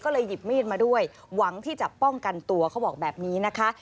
ก็เลยหยิบมีดมาด้วยหวังที่จะป้องกันตัวเขาบอกแบบนี้นะคะ